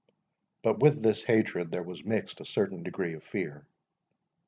But with this hatred there was mixed a certain degree of fear.